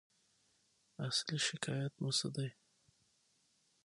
اصلي شکایت مو څه دی؟